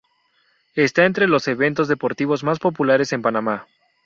Está entre los eventos deportivos más populares en Panamá.